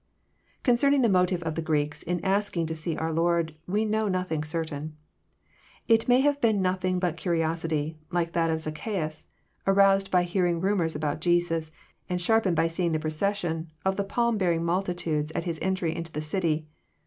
Concerning the motive of the Greeks, in asking to see our Lord, we know nothing certain. It may have been nothing; bu curiosity, like that of Zaccheas, aroused by hearing rumours about Jesus, and sharpened by seeing the procession of the palm bearing multitude at His entry into the city.